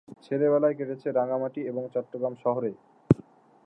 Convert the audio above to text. ছেলেবেলা কেটেছে রাঙামাটি এবং চট্টগ্রাম শহরে।